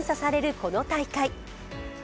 この大会。